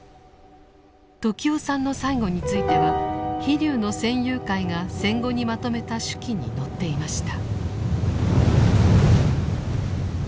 時雄さんの最期については「飛龍」の戦友会が戦後にまとめた手記に載っていました。